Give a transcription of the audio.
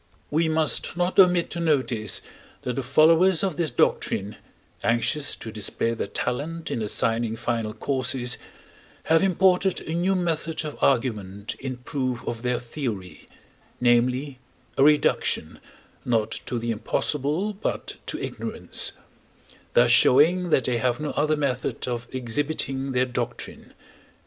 We must not omit to notice that the followers of this doctrine, anxious to display their talent in assigning final causes, have imported a new method of argument in proof of their theory namely, a reduction, not to the impossible, but to ignorance; thus showing that they have no other method of exhibiting their doctrine.